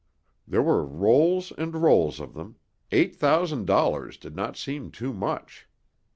There were rolls and rolls of them eight thousand dollars did not seem too much.